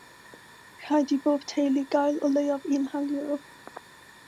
Rhaid i bob teulu gael o leiaf un heliwr.